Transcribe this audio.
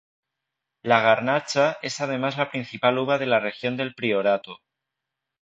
La Garnacha es además la principal uva de la región del Priorato.